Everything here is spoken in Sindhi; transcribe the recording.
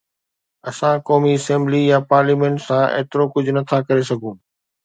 اسان قومي اسيمبلي يا پارليامينٽ سان ايترو ڪجهه نٿا ڪري سگهون